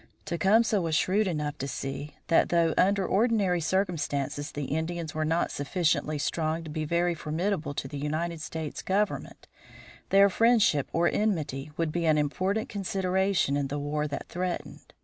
Tecumseh was shrewd enough to see that though under ordinary circumstances the Indians were not sufficiently strong to be very formidable to the United States government, their friendship or enmity would be an important consideration in the war that threatened.